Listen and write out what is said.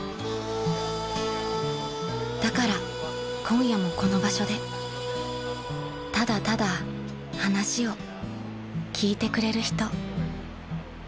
［だから今夜もこの場所でただただ話を聞いてくれる人］